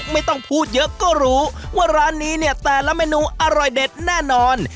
ไม่ต้องพูดเยอะก็รู้ว่าร้านนี้เนี่ยแต่ละเมนูอร่อยเด็ดแน่นอน